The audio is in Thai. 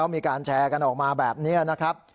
มีการแชร์กันออกมาแบบนี้นะครับ